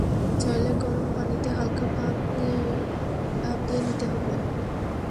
চাইলে গরম পানিতে হালকা ভাপ দিয়ে নিতে হবে।